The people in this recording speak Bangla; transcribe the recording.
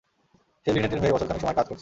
সে লিনেটের হয়ে বছরখানেক সময় কাজ করছে।